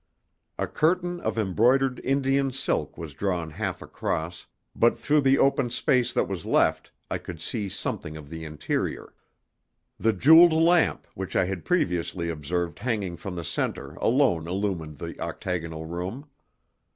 A curtain of embroidered Indian silk was drawn half across, but through the open space that was left I could see something of the interior. The jewelled lamp which I had previously observed hanging from the centre alone illumined the octagonal room.